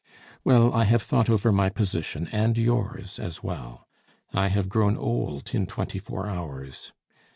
Well, I have thought over my position, and yours as well. I have grown old in twenty four hours.